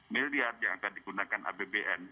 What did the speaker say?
milyar yang akan digunakan abbn